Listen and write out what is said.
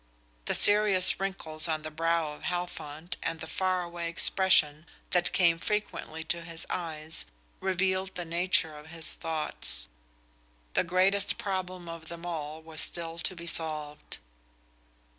The serious wrinkles on the brow of Halfont and the faraway expression that came frequently to his eyes revealed the nature of his thoughts. The greatest problem of them all was still to be solved.